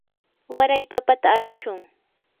waray papata alashun.